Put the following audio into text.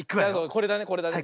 これだねこれだね。